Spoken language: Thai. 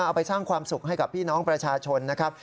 เอาไปสร้างความสุขให้กับพี่น้องประชาชนนะครับ